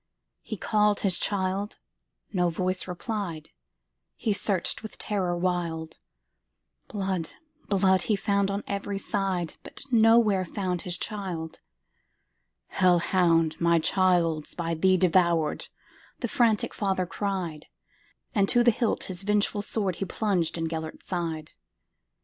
He called his child,—no voice replied,—He searched with terror wild; Blood, blood, he found on every side, But nowhere found his child."Hell hound! my child 's by thee devoured,"The frantic father cried; And to the hilt his vengeful swordHe plunged in Gêlert's side.